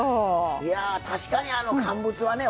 いや確かにあの乾物はね